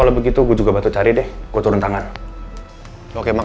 langsung aja ke rena ya